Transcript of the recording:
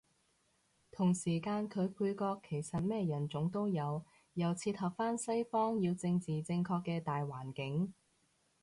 同時間佢配角其實咩人種都有，又切合返西方要政治正確嘅大環境